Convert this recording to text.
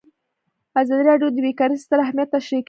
ازادي راډیو د بیکاري ستر اهميت تشریح کړی.